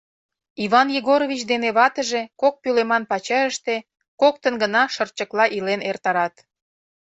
Иван Егорович дене ватыже кок пӧлеман пачерыште коктын гына шырчыкла илен эртарат.